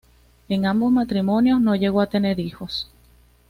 En ambos matrimonios no llegó a tener hijos.